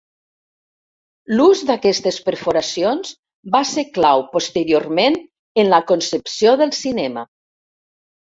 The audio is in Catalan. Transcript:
L'ús d'aquestes perforacions va ser clau posteriorment en la concepció del cinema.